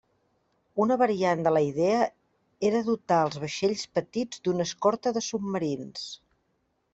Una variant de la idea era dotar als vaixells petits d'una escorta de submarins.